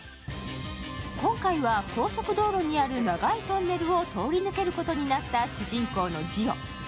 今回は高速道路にある長いトンネルを通り抜けることになった主人公のジオ。